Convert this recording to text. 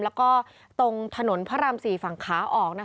แล้วก็ตรงถนนพระราม๔ฝั่งขาออก